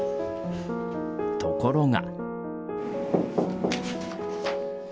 ところが。